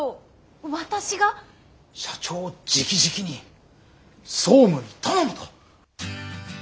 社長じきじきに総務に頼むと。